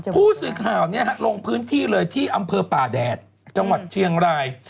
ผู้สื่อข่าวนี้ก็ลงได้ที่อำเภอปาแดดจังหวัดเชียงราย